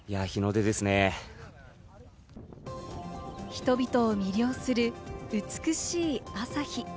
人々を魅了する美しい朝日。